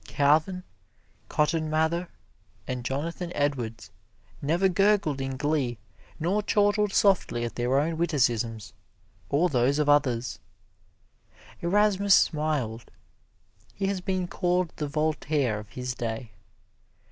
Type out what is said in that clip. Calvin, Cotton Mather and Jonathan Edwards never gurgled in glee, nor chortled softly at their own witticisms or those of others. Erasmus smiled. He has been called the Voltaire of his day.